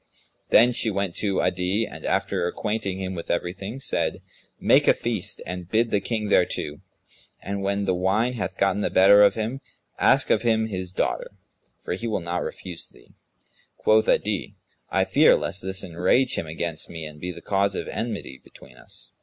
Then she went to Adi and, after acquainting him with everything said, "Make a feast and bid the King thereto; and, when the wine hath gotten the better of him, ask of him his daughter, for he will not refuse thee." Quoth Adi, "I fear lest this enrage him against me and be the cause of enmity between us."